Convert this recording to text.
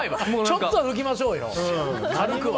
ちょっとは拭きましょうよ軽くは。